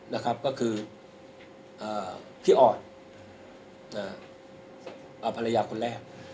นะครับก็คือพี่ออดภรรยาคนแรก